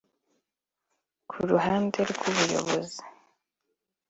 Ku ruhande rw’ubuyobozi